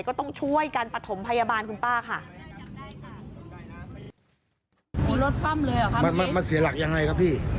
ก็ต้องช่วยกันประถมพยาบาลคุณป้าค่ะ